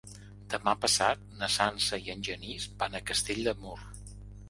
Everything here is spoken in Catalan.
Demà passat na Sança i en Genís van a Castell de Mur.